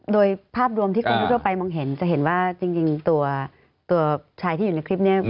โดยภาพรวมที่คนทั่วไปมองเห็นจะเห็นว่าจริงตัวชายที่อยู่ในคลิปนี้